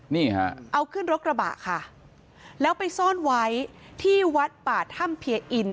นี่ฮะเอาขึ้นรถกระบะค่ะแล้วไปซ่อนไว้ที่วัดป่าถ้ำเพียอิน